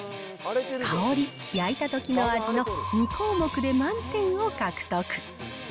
香り、焼いたときの味の２項目で満点を獲得。